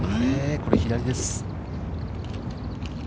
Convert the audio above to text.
これ左です。